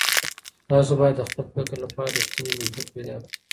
تاسو بايد د خپل فکر لپاره رښتينی منطق پيدا کړئ.